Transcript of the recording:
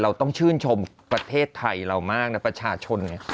เราต้องชื่นชมประเทศไทยเรามากนะประชาชนเนี่ย